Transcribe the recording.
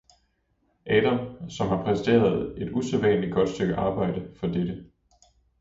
Adam, som har præsteret et usædvanligt godt stykke arbejde, for dette.